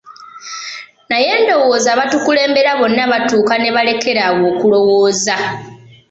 Naye ndowooza abatukulembera bonna batuuka ne balekera awo okulowooza.